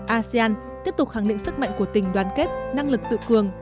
asean tiếp tục khẳng định sức mạnh của tình đoàn kết năng lực tự cường